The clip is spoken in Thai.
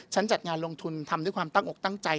จัดงานลงทุนทำด้วยความตั้งอกตั้งใจ